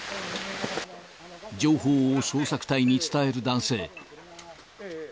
情報を捜索隊に伝える男性。